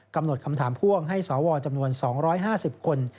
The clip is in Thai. กำหนดคำถามพ่วงให้สวจำนวน๒๕๐คน